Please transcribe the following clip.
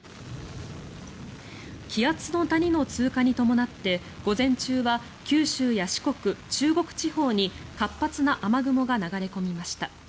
気圧の谷の通過に伴って午前中は九州や四国、中国地方に活発な雨雲が流れ込みました。